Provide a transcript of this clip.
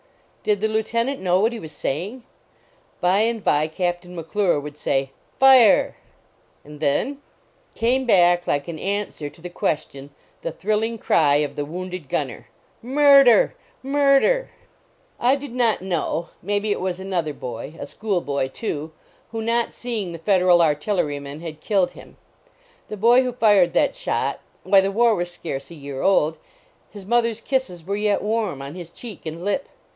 Did the lieutenant know what he was saying? By and by Captain McClure would say: " Fire!" And then? Came back, like an answer to the question, the thrilling cry <>f the wounded gunner: 11 Murder! Murder! " 217 LAUREL AND CYPRESS I did not know may be it was another boy a school boy, too who, not seeing the Federal artilleryman, had killed him. The boy who fired that shot why, the war was scarce a year old his mother s kisses were yet warm on his cheek and lip.